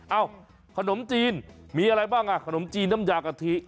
ขนมจีนมีอะไรบ้างอ่ะขนมจีนน้ำยากะทิ